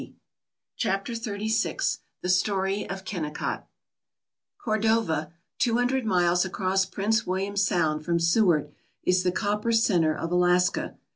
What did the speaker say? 288 CHAPTER XXXVI THE STORY OF KENNECOTT CORDOVA, two hundred miles across Prince William Sound from Seward, is the copper centre of Alaska.